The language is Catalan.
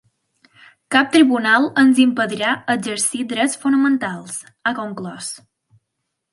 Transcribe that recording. Cap tribunal ens impedirà exercir drets fonamentals, ha conclòs.